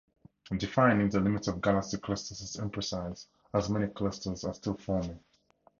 Defining the limits of galaxy clusters is imprecise as many clusters are still forming.